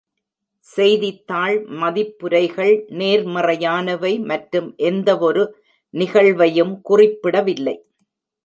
செய்தித்தாள் மதிப்புரைகள் நேர்மறையானவை மற்றும் எந்தவொரு நிகழ்வையும் குறிப்பிடவில்லை.